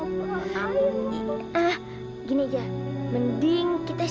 kemarilah kita priv behaviors